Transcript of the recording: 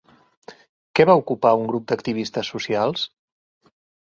Què va ocupar un grup d'activistes socials?